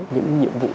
những nhiệm vụ